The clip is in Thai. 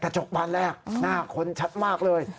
จกบานแรกหน้าคนชัดมากเลย